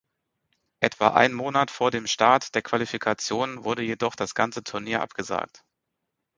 Etwa ein Monat vor dem Start der Qualifikation wurde jedoch das ganze Turnier abgesagt.